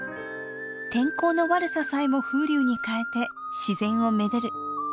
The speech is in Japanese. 天候の悪ささえも風流にかえて自然をめでる粋な言葉です。